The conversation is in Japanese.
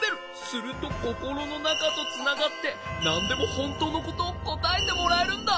するとココロのなかとつながってなんでもほんとうのことをこたえてもらえるんだ。